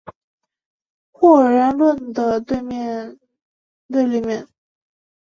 或然论的对立面是地理决定论。